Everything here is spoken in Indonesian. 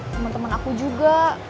temen temen aku juga